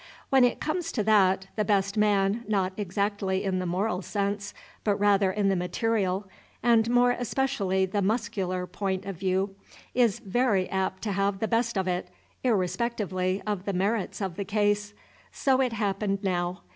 When it comes to that, the best man, not exactly in the moral sense, but rather in the material, and more especially the muscular point of view, is very apt to have the best of it, irrespectively of the merits of the case. So it happened now.